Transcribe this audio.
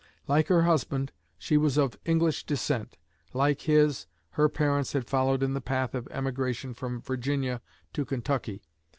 Like her husband, she was of English descent. Like his, her parents had followed in the path of emigration from Virginia to Kentucky.